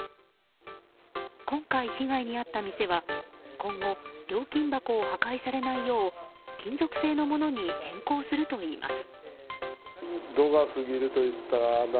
今回被害に遭った店は今後、料金箱を破壊されないよう金属製のものに変更するといいます。